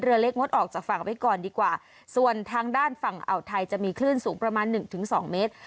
เรือเล็กงดออกจากฝั่งไว้ก่อนดีกว่าส่วนทางด้านฝั่งอ่าวไทยจะมีคลื่นสูงประมาณหนึ่งถึงสองเมตร